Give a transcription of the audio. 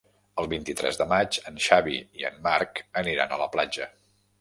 El vint-i-tres de maig en Xavi i en Marc aniran a la platja.